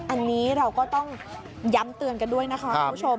อันนี้เราก็ต้องย้ำเตือนกันด้วยนะคะคุณผู้ชม